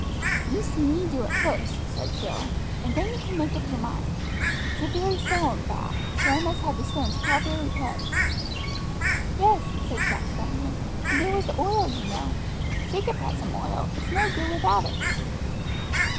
"You see me do it first," said Jill; "and then you can make up your mind. It's a very solemn vow, so I must have the stones properly put." "Yes," said Jack suddenly, "and there was the oil, you know. Jacob had some oil, it's no good without it."